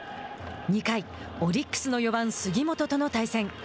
２回、オリックスの４番杉本との対戦。